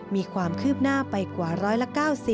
มีความคืบหน้าไปกว่าร้อยละ๙๐